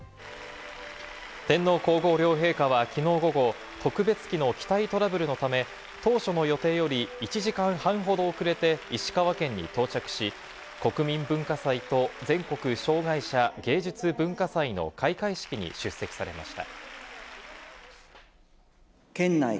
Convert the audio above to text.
天皇皇后両陛下はきのう午後、特別機の機体トラブルのため、当初の予定より１時間半ほど遅れて石川県に到着し、国民文化祭と全国障害者芸術・文化祭の開会式に出席されました。